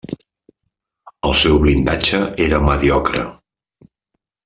El seu blindatge era mediocre.